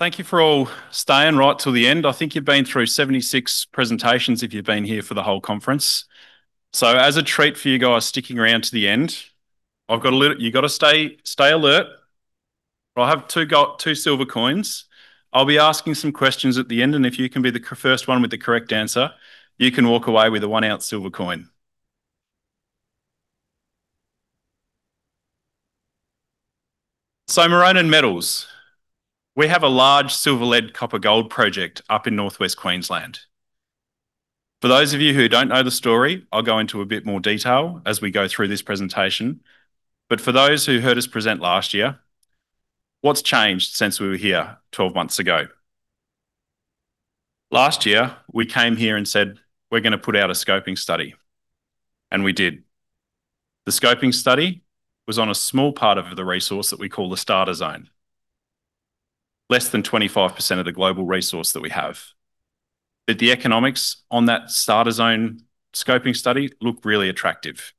Thank you for all staying right till the end. I think you've been through 76 presentations if you've been here for the whole conference. As a treat for you guys sticking around to the end, you got to stay alert. I have two silver coins. I'll be asking some questions at the end, and if you can be the first one with the correct answer, you can walk away with a 1 ounce silver coin. Maronan Metals, we have a large silver-lead copper gold project up in Northwest Queensland. For those of you who don't know the story, I'll go into a bit more detail as we go through this presentation. For those who heard us present last year, what's changed since we were here 12 months ago? Last year, we came here and said, "We're going to put out a scoping study," and we did. The scoping study was on a small part of the resource that we call the Starter Zone. Less than 25% of the global resource that we have. The economics on that Starter Zone scoping study look really attractive.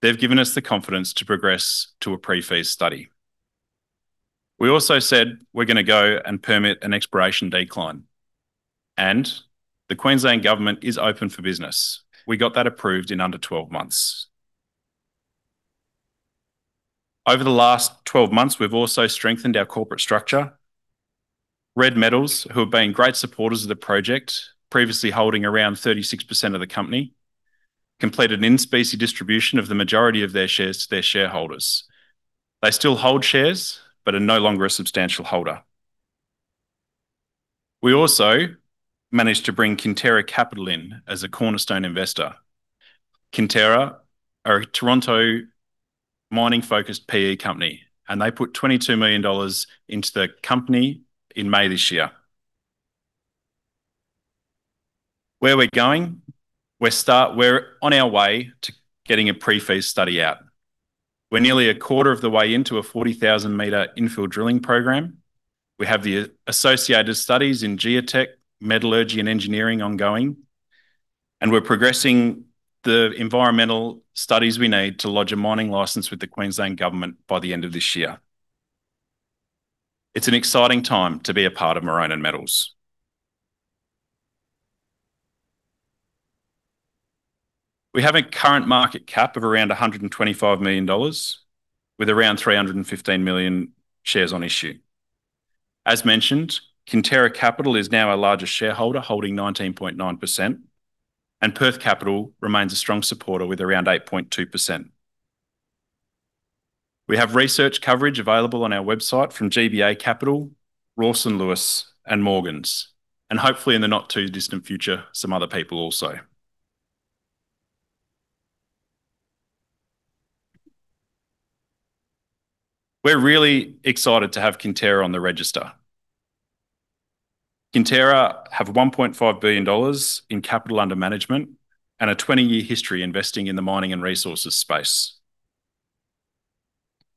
They've given us the confidence to progress to a pre-feas study. We also said we're going to go and permit an exploration decline, and the Queensland Government is open for business. We got that approved in under 12 months. Over the last 12 months, we've also strengthened our corporate structure. Red Metals, who have been great supporters of the project, previously holding around 36% of the company, completed an in specie distribution of the majority of their shares to their shareholders. They still hold shares, but are no longer a substantial holder. We also managed to bring Kinterra Capital in as a cornerstone investor. Kinterra are a Toronto mining-focused PE company. They put 22 million dollars into the company in May this year. Where we're going, we're on our way to getting a pre-feas study out. We're nearly a quarter of the way into a 40,000-m infill drilling program. We have the associated studies in geotech, metallurgy, and engineering ongoing. We're progressing the environmental studies we need to lodge a mining lease with the Queensland Government by the end of this year. It's an exciting time to be a part of Maronan Metals. We have a current market cap of around 125 million dollars, with around 315 million shares on issue. As mentioned, Kinterra Capital is now our largest shareholder, holding 19.9%, and Perth Capital remains a strong supporter with around 8.2%. We have research coverage available on our website from GBA Capital, Rawson Lewis, and Morgans. Hopefully in the not-too-distant future, some other people also. We're really excited to have Kinterra on the register. Kinterra have 1.5 billion dollars in capital under management and a 20-year history investing in the mining and resources space.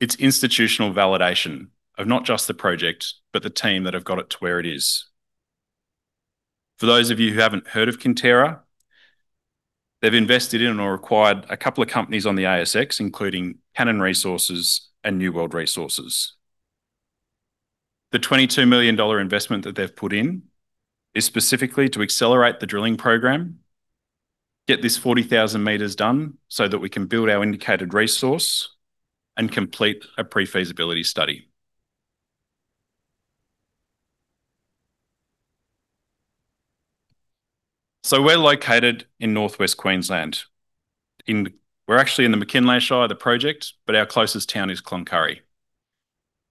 It's institutional validation of not just the project, but the team that have got it to where it is. For those of you who haven't heard of Kinterra, they've invested in or acquired a couple of companies on the ASX, including Cannon Resources and New World Resources. The 22 million dollar investment that they've put in is specifically to accelerate the drilling program, get this 40,000 m done so that we can build our Indicated Resource and complete a pre-feasibility study. We're located in Northwest Queensland. We're actually in the McKinlay Shire, the project, but our closest town is Cloncurry.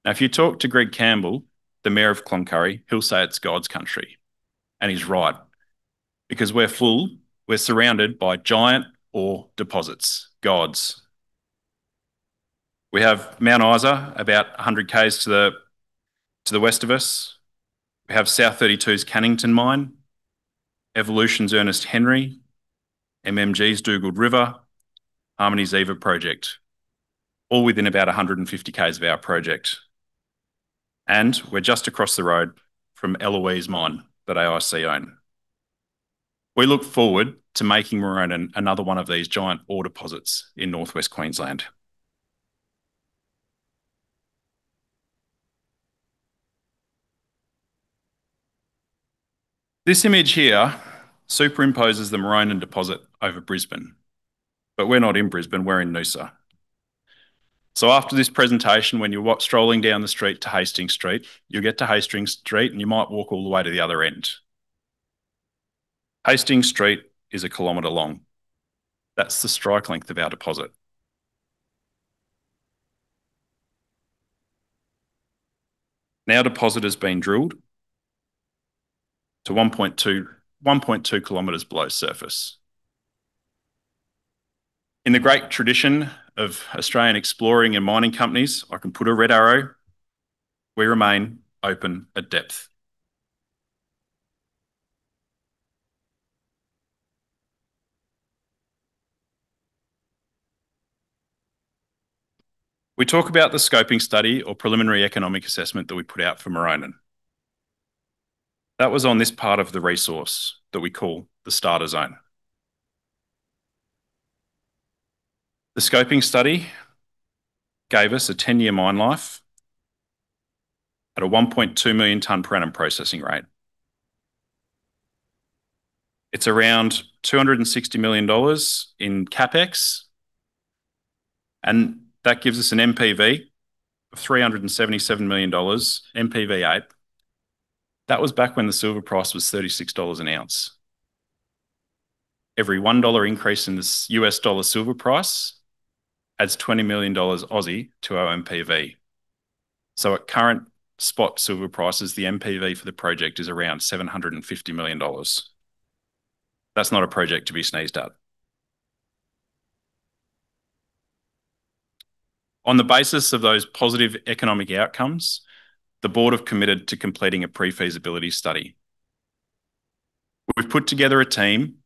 If you talk to Greg Campbell, the mayor of Cloncurry, he'll say it's God's country, and he's right. We're surrounded by giant ore deposits. We have Mount Isa about 100 km to the west of us. We have South32's Cannington mine, Evolution's Ernest Henry, MMG's Dugald River, Harmony's Eva project, all within about 150 km of our project, and we're just across the road from Eloise mine that AIC Mines own. We look forward to making Maronan another one of these giant ore deposits in Northwest Queensland. This image here superimposes the Maronan deposit over Brisbane. We're not in Brisbane, we're in Noosa. After this presentation, when you're strolling down the street to Hastings Street, you'll get to Hastings Street and you might walk all the way to the other end. Hastings Street is 1 km long. That's the strike length of our deposit. A deposit has been drilled to 1.2 km below surface. In the great tradition of Australian exploring and mining companies, I can put a red arrow, we remain open at depth. We talk about the scoping study or preliminary economic assessment that we put out for Maronan. That was on this part of the resource that we call the Starter Zone. The scoping study gave us a 10-year mine life at a 1.2 million tonne per annum processing rate. It's around 260 million dollars in CapEx, and that gives us an NPV of 377 million dollars NPV8. That was back when the silver price was 36 dollars an ounce. Every $1 increase in silver price adds 20 million Aussie dollars to our NPV. At current spot silver prices, the NPV for the project is around 750 million dollars. That's not a project to be sneezed at. On the basis of those positive economic outcomes, the board have committed to completing a pre-feasibility study. We've put together a team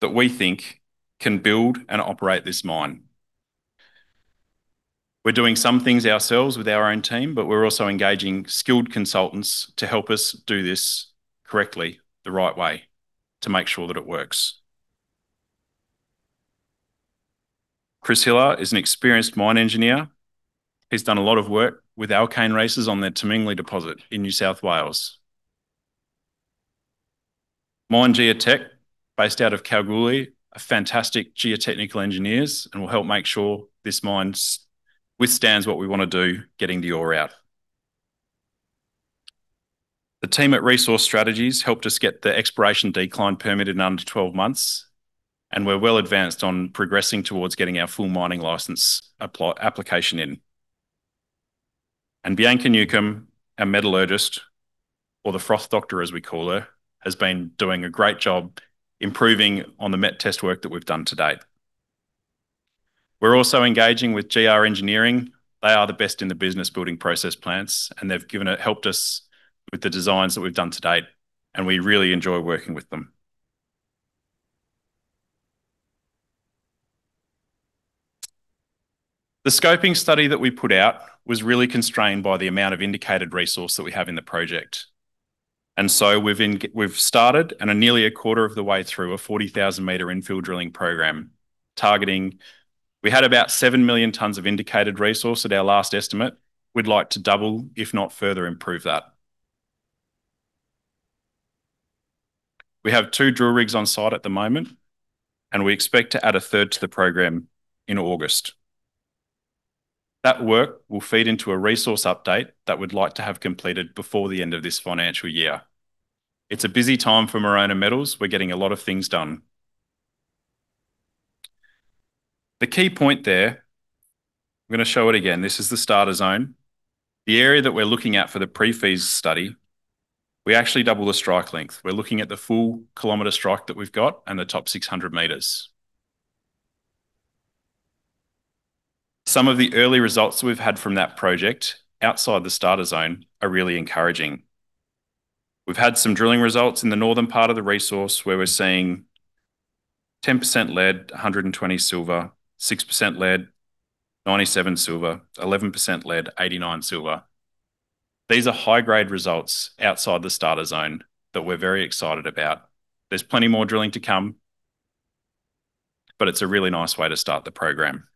that we think can build and operate this mine. We're doing some things ourselves with our own team, but we're also engaging skilled consultants to help us do this correctly, the right way, to make sure that it works. Chris Hiller is an experienced mine engineer. He's done a lot of work with Alkane Resources on their Tomingley deposit in New South Wales. MineGeoTech, based out of Kalgoorlie, are fantastic geotechnical engineers and will help make sure this mine withstands what we want to do, getting the ore out. The team at Resource Strategies helped us get the exploration decline permit in under 12 months, and we're well advanced on progressing towards getting our full mining lease application in. Bianca Newcombe, our metallurgist, or the froth doctor, as we call her, has been doing a great job improving on the met test work that we've done to date. We're also engaging with GR Engineering. They are the best in the business building process plants, and they've helped us with the designs that we've done to date, and we really enjoy working with them. The scoping study that we put out was really constrained by the amount of Indicated Resource that we have in the project. We've started and are nearly a quarter of the way through a 40,000-m infill drilling program targeting. We had about 7 million tonnes of Indicated Resource at our last estimate. We'd like to double, if not further improve that. We have two drill rigs on site at the moment, and we expect to add a third to the program in August. That work will feed into a resource update that we'd like to have completed before the end of this financial year. It's a busy time for Maronan Metals. We're getting a lot of things done. The key point there, I'm going to show it again, this is the starter zone. The area that we're looking at for the pre-feas study, we actually double the strike length. We're looking at the full kilometer strike that we've got and the top 600 m. Some of the early results we've had from that project outside the Starter Zone are really encouraging. We've had some drilling results in the northern part of the resource where we're seeing 10% lead, 120 silver, 6% lead, 97 silver, 11% lead, 89% silver. These are high-grade results outside the starter zone that we're very excited about. There's plenty more drilling to come, but it's a really nice way to start the program.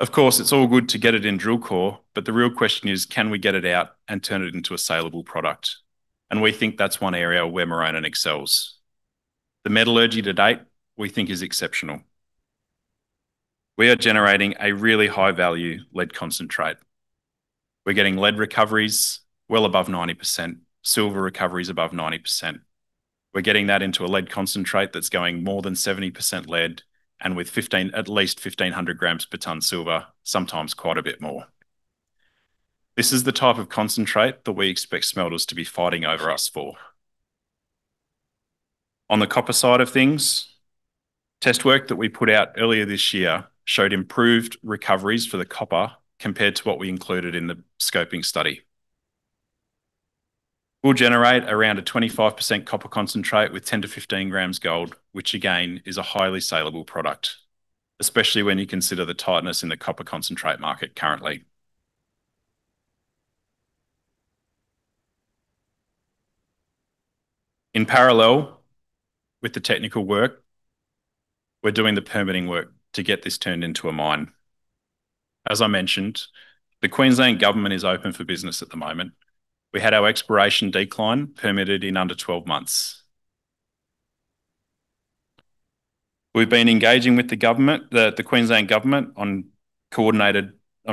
Of course, it's all good to get it in drill core, but the real question is: Can we get it out and turn it into a saleable product? We think that's one area where Maronan excels. The metallurgy to date, we think is exceptional. We are generating a really high-value lead concentrate. We're getting lead recoveries well above 90%, silver recoveries above 90%. We're getting that into a lead concentrate that's going more than 70% lead and with at least 1,500 g per tonne silver, sometimes quite a bit more. This is the type of concentrate that we expect smelters to be fighting over us for. On the copper side of things, test work that we put out earlier this year showed improved recoveries for the copper compared to what we included in the scoping study. We'll generate around a 25% copper concentrate with 10 g-15 g gold, which again, is a highly saleable product, especially when you consider the tightness in the copper concentrate market currently. In parallel with the technical work, we're doing the permitting work to get this turned into a mine. As I mentioned, the Queensland Government is open for business at the moment. We had our exploration decline permitted in under 12 months. We've been engaging with the Queensland Government on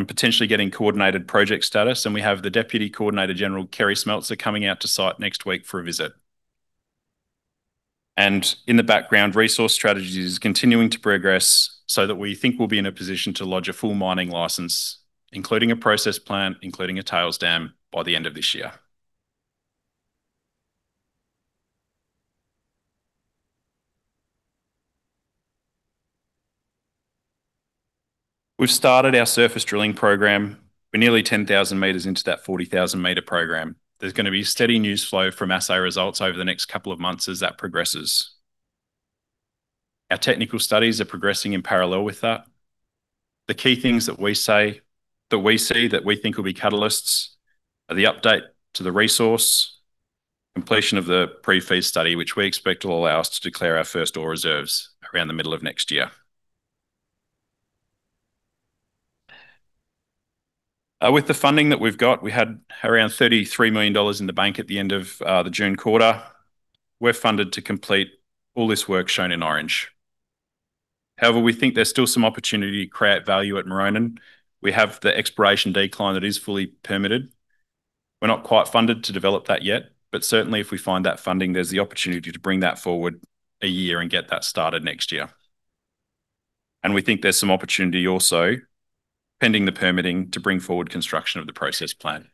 potentially getting coordinated project status. We have the Deputy Coordinator-General, Kerry Smeltzer, coming out to site next week for a visit. In the background, Resource Strategies is continuing to progress so that we think we'll be in a position to lodge a full mining lease, including a process plan, including a tailings dam, by the end of this year. We've started our surface drilling program. We're nearly 10,000 m into that 40,000-m program. There's going to be steady news flow from assay results over the next couple of months as that progresses. Our technical studies are progressing in parallel with that. The key things that we see that we think will be catalysts are the update to the resource, completion of the pre-feasibility study, which we expect will allow us to declare our first ore reserves around the middle of next year. With the funding that we've got, we had around 33 million dollars in the bank at the end of the June quarter. We're funded to complete all this work shown in orange. We think there's still some opportunity to create value at Maronan. We have the exploration decline that is fully permitted. We're not quite funded to develop that yet, but certainly if we find that funding, there's the opportunity to bring that forward a year and get that started next year. We think there's some opportunity also, pending the permitting, to bring forward construction of the process plant.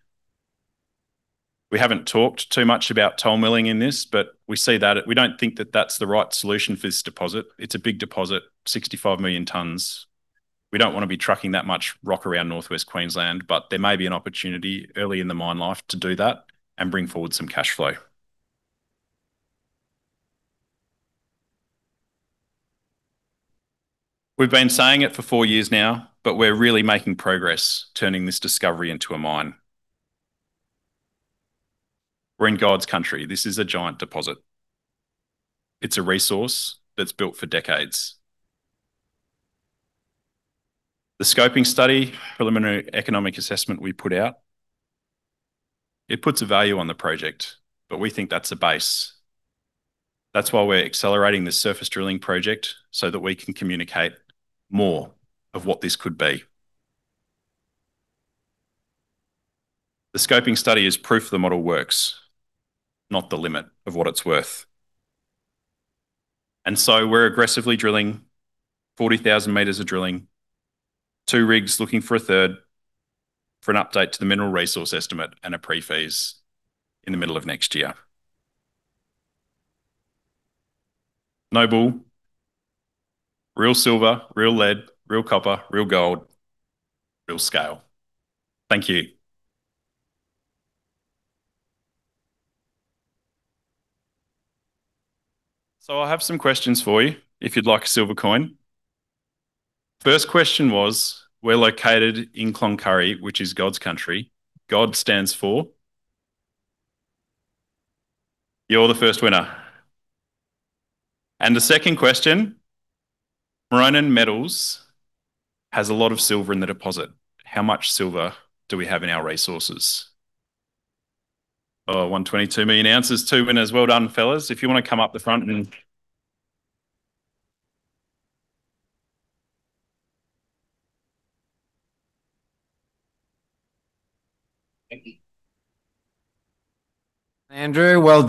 We haven't talked too much about toll milling in this, but we don't think that that's the right solution for this deposit. It's a big deposit, 65 million tonnes. We don't want to be trucking that much rock around Northwest Queensland, but there may be an opportunity early in the mine life to do that and bring forward some cash flow. We've been saying it for four years now, we're really making progress turning this discovery into a mine. We're in God's country. This is a giant deposit. It's a resource that's built for decades. The scoping study, preliminary economic assessment we put out, it puts a value on the project, but we think that's a base. That's why we're accelerating this surface drilling project so that we can communicate more of what this could be. The scoping study is proof the model works, not the limit of what it's worth. We're aggressively drilling 40,000 m of drilling, two rigs, looking for a third, for an update to the mineral resource estimate and a pre-feas in the middle of next year. No bull. Real silver, real lead, real copper, real gold, real scale. Thank you. I have some questions for you if you'd like a silver coin. First question was, we're located in Cloncurry, which is God's country. God stands for? You're the first winner. The second question, Maronan Metals has a lot of silver in the deposit. How much silver do we have in our resources? Oh, 122 million ounces. Two winners. Well done, fellas. If you want to come up the front and thank you. Andrew, well done.